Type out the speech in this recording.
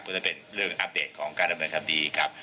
ก็จะเป็นเรื่องอัปเดตของการดำเนินความดีครับ